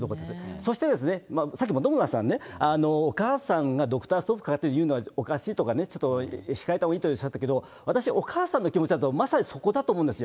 そして、さっき、本村さんね、お母さんがドクターストップっていうのはおかしいとかね、控えたほうがいいとおっしゃったけど、私、お母さんの気持ちだと、まさにそこだと思うんですよ。